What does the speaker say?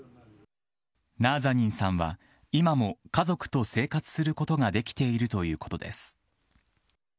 ナーザニンさんは、今も家族と生活することができているということです。